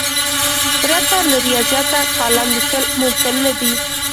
پرته له ریاضته کالم لیکل ممکن نه دي.